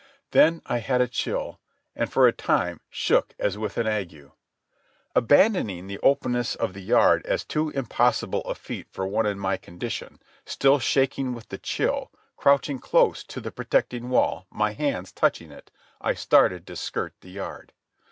Then I had a chill, and for a time shook as with an ague. Abandoning the openness of the yard as too impossible a feat for one in my condition, still shaking with the chill, crouching close to the protecting wall, my hands touching it, I started to skirt the yard.